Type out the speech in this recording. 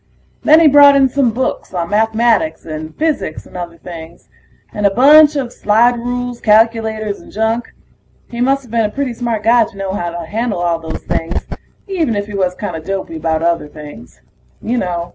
Then he brought in some books on mathematics and physics and other things, and a bunch of slide rules, calculators, and junk. He musta been a pretty smart guy to know how to handle all those things, even if he was kinda dopey about other things. You know